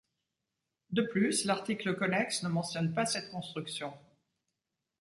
De plus, l'article connexe ne mentionne pas cette construction.